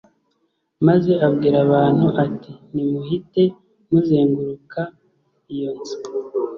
maze abwira abantu ati nimuhite muzenguruka iyo nzu